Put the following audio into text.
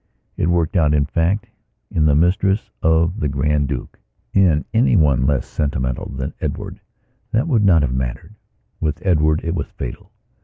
It worked out, in fact, in the mistress of the Grand Duke. In anyone less sentimental than Edward that would not have mattered. With Edward it was fatal.